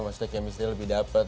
maksudnya chemistry lebih dapet